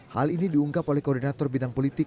hal ini diungkap oleh koordinator bidang politik